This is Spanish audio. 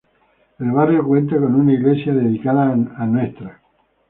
El barrio cuenta con una iglesia dedicada a Ntra.